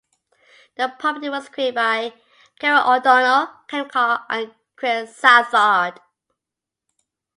The property was created by Kevin O'Donnell, Ken Corr and Crag Southard.